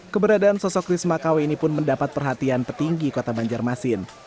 keberadaan sosok risma kw ini pun mendapat perhatian petinggi kota banjarmasin